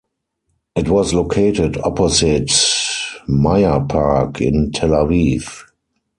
It was located opposite Meir Park, in Tel Aviv.